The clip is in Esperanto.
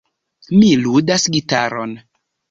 Mi ludas gitaron.